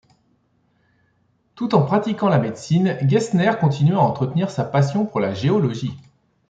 Tout en pratiquant la médecine, Gesner continua à entretenir sa passion pour la géologie.